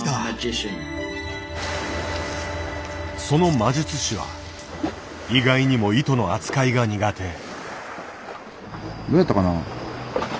その魔術師は意外にも糸の扱いが苦手。